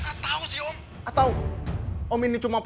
kau merusak tangan